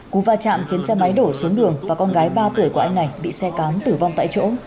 cú va chạm khiến xe máy đổ xuống đường và con gái ba tuổi của anh này bị xe cám tử vong tại chỗ